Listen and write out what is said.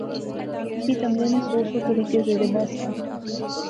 اس کی ٹہنگے نے سو سو طریقے زیر بحث آئے